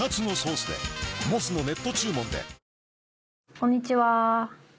こんにちは。